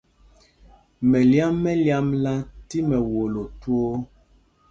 Mɛlyam mɛ lyāmla tí mɛwolo twóó.